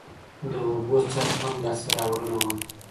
د اوبو څرخ هم لاسته راوړنه وه